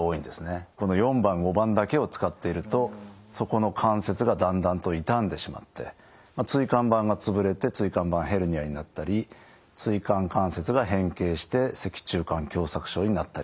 この４番５番だけを使っているとそこの関節がだんだんと傷んでしまって椎間板が潰れて椎間板へルニアになったり椎間関節が変形して脊柱管狭窄症になったり。